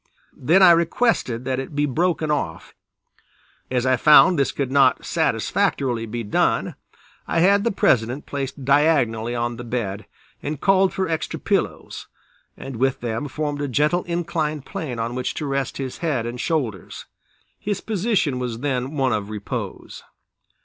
Then I requested that it be broken off; as I found this could not satisfactorily be done, I had the President placed diagonally on the bed and called for extra pillows, and with them formed a gentle inclined plane on which to rest his head and shoulders. His position was then one of repose.